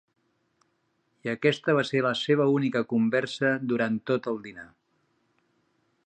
I aquesta va ser la seva única conversa durant tot el dinar.